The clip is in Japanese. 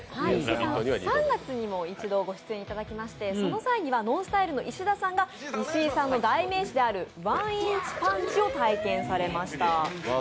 ３月にも一度ご出演いただきましてその際にはＮＯＮＳＴＹＬＥの石田さんが石井さんの代名詞であるワンインチパンチを体験されました。